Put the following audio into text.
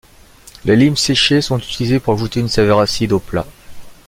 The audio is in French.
Les limes séchées sont utilisées pour ajouter une saveur acide aux plats.